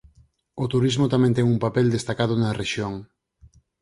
O turismo tamén ten un papel destacado na rexión.